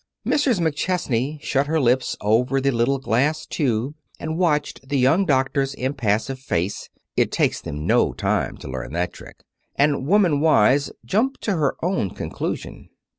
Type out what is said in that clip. Mrs. McChesney shut her lips over the little glass tube, and watched the young doctor's impassive face (it takes them no time to learn that trick) and, woman wise, jumped to her own conclusion.